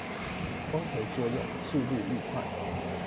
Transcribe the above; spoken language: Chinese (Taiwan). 光合作用速率愈快